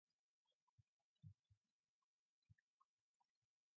Team Building Event or Experience?